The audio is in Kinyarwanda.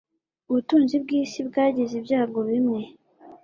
Ubutunzi bwisi bwagize ibyago bimwe